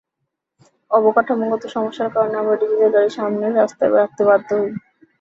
অবকাঠামোগত সমস্যার কারণে আমরা নিজেদের গাড়ি সামনের রাস্তায় রাখতে বাধ্য হই।